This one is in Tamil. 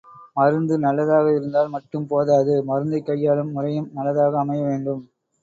மருந்து நல்லதாக இருந்தால் மட்டும் போதாது மருந்தைக் கையாளும் முறையும் நல்லதாக அமைய வேண்டும்.